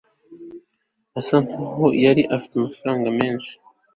Asa nkaho yari afite amafaranga menshi